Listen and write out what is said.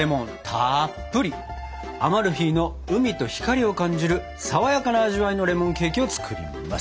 アマルフィの海と光を感じるさわやかな味わいのレモンケーキを作ります！